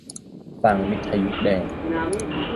ฟังวิทยุแดง